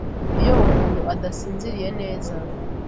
iyo umuntu adasinziriye neza